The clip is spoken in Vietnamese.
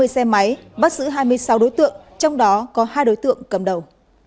hai mươi xe máy bắt giữ hai mươi sáu đối tượng trong đó có hai đối tượng cầm đầu